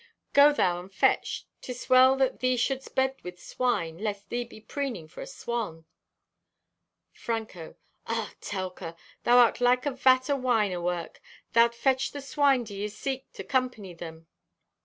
Go thou and fetch. 'Tis well that thee shouldst bed with swine lest thee be preening for a swan." (Franco) "Ugh, Telka! Thou art like to a vat o' wine awork. Thou'lt fetch the swine do ye seek to company them."